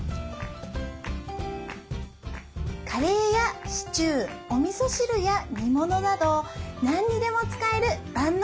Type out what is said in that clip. カレーやシチューおみそ汁や煮物など何にでも使える万能だしです。